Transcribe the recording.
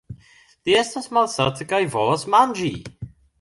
Li estas malsata kaj volas manĝi!